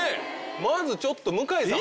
まずちょっと向井さん。